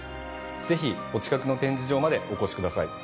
ぜひお近くの展示場までお越しください。